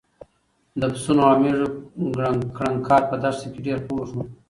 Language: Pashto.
د پسونو او مېږو کړنګار په دښته کې ډېر خوږ و.